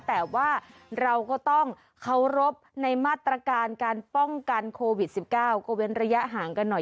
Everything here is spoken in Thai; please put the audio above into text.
แต่ว่าเราก็ต้องเคารพในมาตรการการป้องกันโควิด๑๙ก็เว้นระยะห่างกันหน่อย